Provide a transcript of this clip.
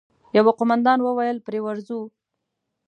يوه قوماندان وويل: پرې ورځو!